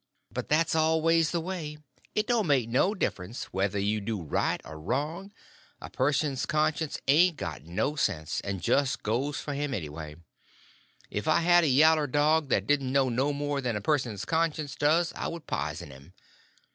But that's always the way; it don't make no difference whether you do right or wrong, a person's conscience ain't got no sense, and just goes for him anyway. If I had a yaller dog that didn't know no more than a person's conscience does I would pison him.